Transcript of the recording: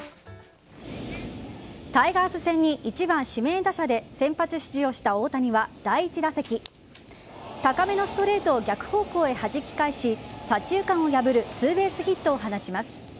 タイガース戦に１番・指名打者で先発出場した大谷は第１打席高めのストレートを逆方向へはじき返し左中間を破るツーベースヒットを放ちます。